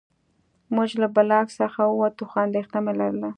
موږ له بلاک څخه ووتو خو اندېښنه مې لرله